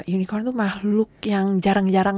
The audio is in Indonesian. unicorn tuh mahluk yang jarang jarang